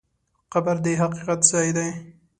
قبر د حقیقت ځای دی.